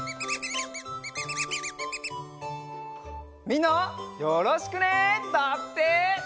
「みんなよろしくね！」だって！